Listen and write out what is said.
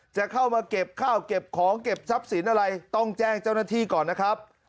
จะเข้ามาเก็บข้าวเก็บของเก็บทรัพย์สินอะไรต้องแจ้งเจ้าหน้าที่ก่อนนะครับ